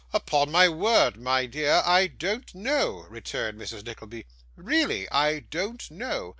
'Upon my word, my dear, I don't know,' returned Mrs. Nickleby; 'really, I don't know.